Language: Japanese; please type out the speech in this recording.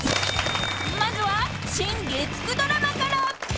［まずは新月９ドラマから］